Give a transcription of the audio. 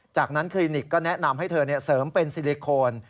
จากนั้นคลินิกก็แนะนำให้เธอเสริมเป็นซิลิโคน